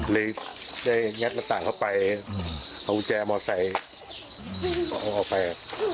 เลยได้งัดหน้าต่างเข้าไปเอากุญแจมอไซค์ของเขาไป